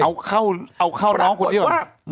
เอาเข้าน้องคนนี้ก่อน